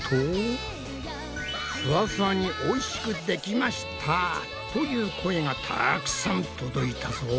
「ふわふわに美味しくできました」という声がたくさん届いたぞ。